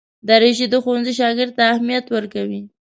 دریشي د ښوونځي شاګرد ته اهمیت ورکوي.